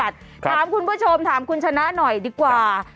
ถามคุณผู้ชมถามคุณชนะหน่อยดีกว่า